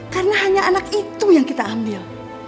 karena hanya anak itu yang kita ambil